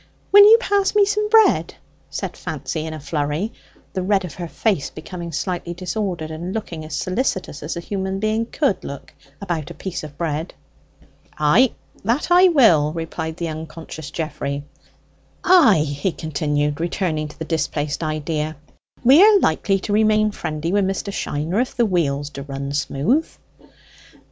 "Will you pass me some bread?" said Fancy in a flurry, the red of her face becoming slightly disordered, and looking as solicitous as a human being could look about a piece of bread. "Ay, that I will," replied the unconscious Geoffrey. "Ay," he continued, returning to the displaced idea, "we are likely to remain friendly wi' Mr. Shiner if the wheels d'run smooth."